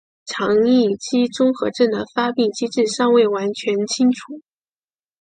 肠易激综合征的发病机制尚未完全清楚。